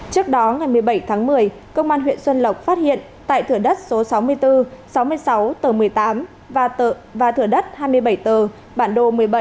trước đó ngày một mươi bảy tháng một mươi công an huyện xuân lộc phát hiện tại thửa đất số sáu mươi bốn sáu mươi sáu tờ một mươi tám và thửa đất hai mươi bảy tờ bản đồ một mươi bảy